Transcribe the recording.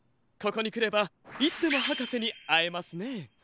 ここにくればいつでもはかせにあえますね。